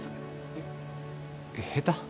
えっ下手？